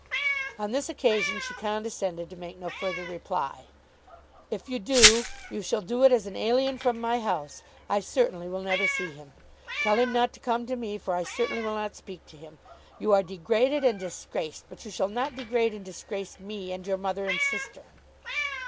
On this occasion she condescended to make no further reply. "If you do, you shall do it as an alien from my house. I certainly will never see him. Tell him not to come to me, for I certainly will not speak to him. You are degraded and disgraced; but you shall not degrade and disgrace me and your mother and sister."